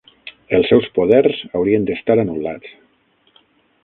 Els seus poders haurien d'estar anul·lats.